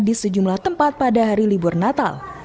di sejumlah tempat pada hari libur natal